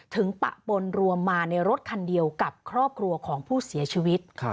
ปะปนรวมมาในรถคันเดียวกับครอบครัวของผู้เสียชีวิต